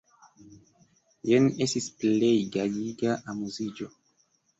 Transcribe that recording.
Jen estis plej gajiga amuziĝo!